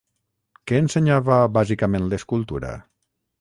Què ensenyava bàsicament l'escultura?